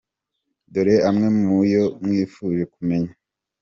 Dore amwe muu yo mwifuje kumenya.